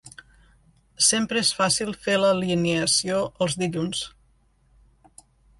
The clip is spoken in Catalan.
Sempre és fàcil fer l’alineació els dilluns.